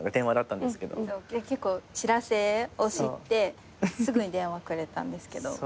知らせを知ってすぐに電話くれたんですけど。